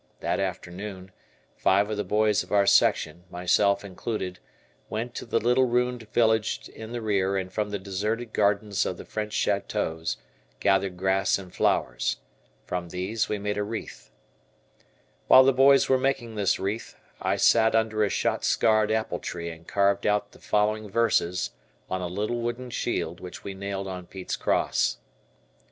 That afternoon, five of the boys of our section, myself included, went to the little ruined village in the rear and from the deserted gardens of the French chateaux gathered grass and flowers. From these we made a wreath. While the boys were making this wreath, I sat under a shot scarred apple tree and carved out the following verses on a little wooden shield which we nailed on Pete's cross.